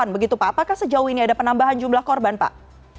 apakah sejauh ini ada penambahan jumlah korban pak